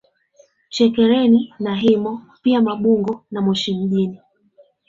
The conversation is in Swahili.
Chekereni na Himo pia Mabungo na Moshi mjini